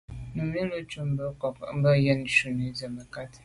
Númí lùcúp ŋkɔ̀k mbə̌ bū yə́nə́ shúnì zə̀ mə̀kát.